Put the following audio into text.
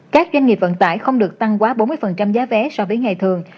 các doanh nghiệp vận tải không được tăng quá bốn mươi giá vé so với ngày thường